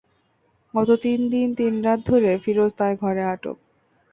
গত তিন দিন তিন রাত ধরে ফিরোজ তার ঘরে আটক।